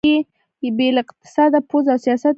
بې له اقتصاده پوځ او سیاست نشته.